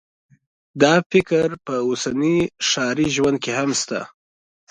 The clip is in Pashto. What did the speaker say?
دا فکر په اوسني ښاري ژوند کې هم شته